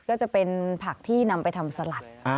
ก็จะเป็นผักที่นำไปทำสลัด